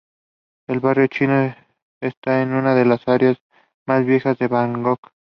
El Barrio Chino está en una de las áreas más viejas de Bangkok.